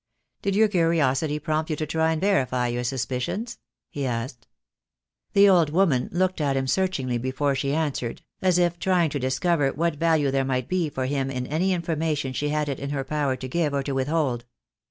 "Did your curiosity prompt you to try and verify your suspicions?" he asked. The old woman looked at him searchingly before she answered, as if trying to discover what value there might be for him in any information she had it in her power to give or to withhold.